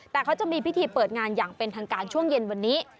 แต่เขาจะมีพิธีเปิดงานอย่างเป็นทางการช่วงเย็นวันนี้